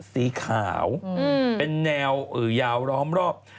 สีขาวเป็นแนวยาวร้อมรอบ